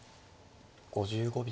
５５秒。